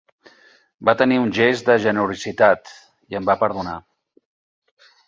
Va tenir un gest de generositat i em va perdonar.